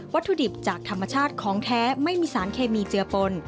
ถุดิบจากธรรมชาติของแท้ไม่มีสารเคมีเจือปน